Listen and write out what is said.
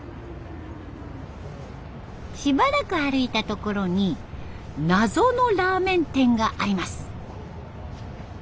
しばらく歩いた所に謎のラーメン店があります。